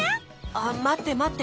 あっまってまって！